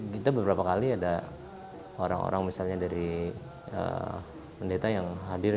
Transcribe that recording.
kita beberapa kali ada orang orang misalnya dari pendeta yang hadir